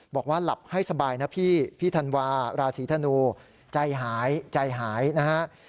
บอกว่าหลับให้สบายนะพี่พี่ธันวาราศีธนูใจหายใจหายนะฮะ